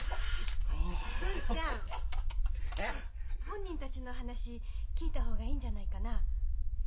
本人たちの話聞いた方がいいんじゃないかな。